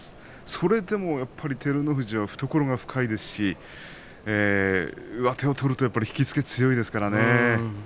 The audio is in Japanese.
それでも照ノ富士は懐が深いですし上手を取るとやっぱり引き付けが強いですからね。